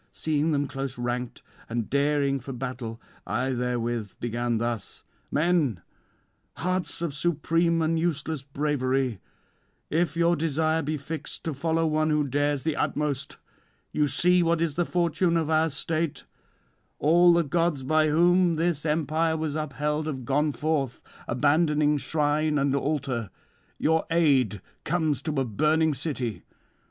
... Seeing them close ranked and daring for battle, I therewith began thus: "Men, hearts of supreme and useless bravery, if your desire be fixed to follow one who dares the utmost; you see what is the fortune of our state: all the gods by whom this empire was upheld have gone forth, abandoning shrine and altar; your aid comes to a burning city.